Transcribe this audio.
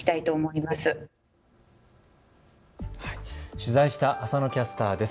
取材した浅野キャスターです。